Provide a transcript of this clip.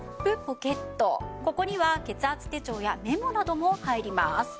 ここには血圧手帳やメモなども入ります。